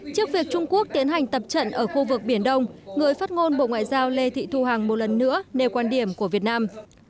trước việc trung quốc tiến hành tập trận ở khu vực biển đông người phát ngôn bộ ngoại giao lê thị thu hằng một lần nữa nêu quan điểm của việt nam